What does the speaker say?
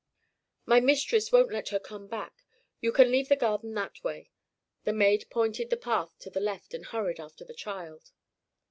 "My mistress won't let her come back you can leave the garden that way." The maid pointed along the path to the left and hurried after the child.